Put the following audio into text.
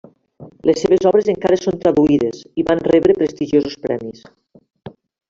Les seves obres encara són traduïdes i van rebre prestigiosos premis.